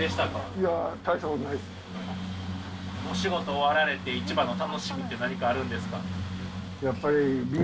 いや、お仕事終わられて、一番の楽しみって何かあるんですか？